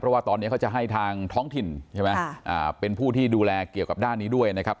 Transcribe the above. เพราะว่าตอนนี้เขาจะให้ทางท้องถิ่นใช่ไหมเป็นผู้ที่ดูแลเกี่ยวกับด้านนี้ด้วยนะครับ